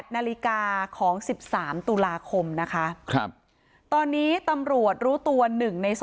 ๘นาฬิกาของ๑๓ตุลาคมนะคะครับตอนนี้ตำรวจรู้ตัวหนึ่งใน